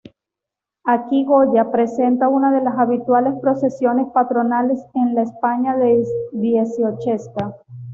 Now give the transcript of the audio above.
Aquí Goya presenta una de las habituales procesiones patronales en la España dieciochesca.